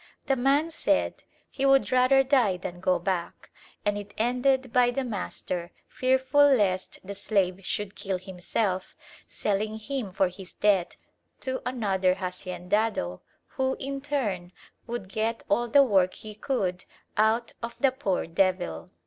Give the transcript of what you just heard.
The man said he would rather die than go back; and it ended by the master, fearful lest the slave should kill himself, selling him for his debt to another haciendado, who, in turn, would get all the work he could out of the poor devil.